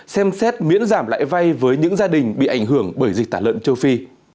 xem xét miễn giảm lại vai với những gia đình bị ảnh hưởng bởi dịch tả lợn châu phi